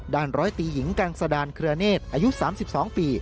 ร้อยตีหญิงกังสดานเครือเนศอายุ๓๒ปี